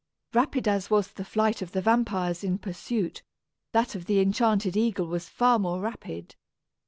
Rapid as was the flight of the vampires in pursuit, that of the enchanted eagle was far more rapid.